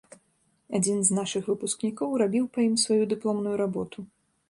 Адзін з нашых выпускнікоў рабіў па ім сваю дыпломную работу.